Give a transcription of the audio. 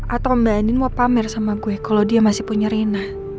atau mbak andin mau pamer sama gue kalau dia masih punya rina